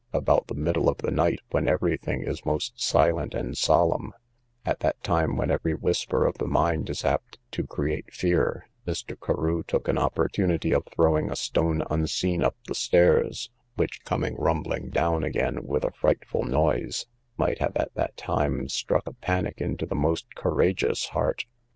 About the middle of the night, when every thing is most silent and solemn, at that time when every whisper of the mind is apt to create fear, Mr. Carew took an opportunity of throwing a stone unseen up the stairs, which, coming rumbling down again with a frightful noise, might have at that time struck a panic into the most courageous heart.